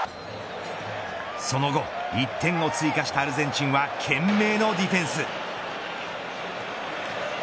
その後１点を追加したアルゼンチンは懸命のディフェンス。